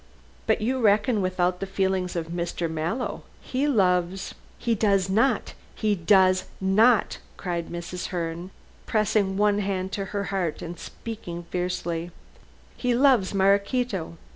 "But you reckon without the feelings of Mr. Mallow. He loves " "He does not he does not!" cried Mrs. Herne, pressing one hand to her heart and speaking fiercely; "he loves Maraquito.